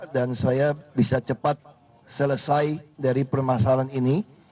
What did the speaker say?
dan saya bisa cepat selesai dari permasalahan ini